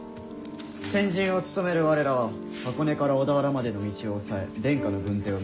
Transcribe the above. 先陣を務める我らは箱根から小田原までの道をおさえ殿下の軍勢を迎えることである。